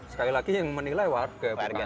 sekali lagi yang menilai warga mereka